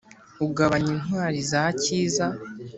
ugabanya intwari za cyiza,